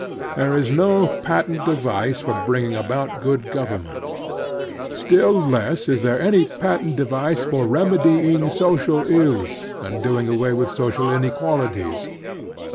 There is no patent device for bringing about good government. Still less is there any patent device for remedying social evils and doing away with social inequalities.